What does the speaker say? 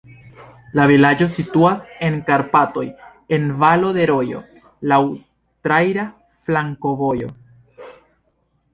La vilaĝo situas en Karpatoj en valo de rojo, laŭ traira flankovojo.